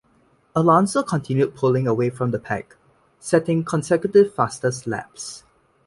Alonso continued pulling away from the pack setting consecutive fastest laps.